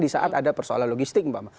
di saat ada persoalan logistik bapak ibu